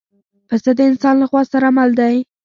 پسه د انسان له پخوا سره مل دی.